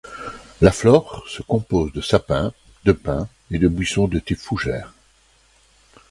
La flore se compose de sapins, de pins et de buissons de type fougère.